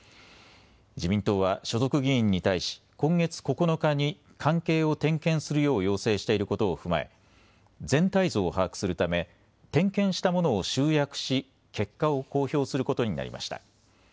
自民党は所属議員に対し今月９日に関係を点検するよう要請していることを踏まえ、全体像を把握するため点検したものを集約し結果を公表することになりました。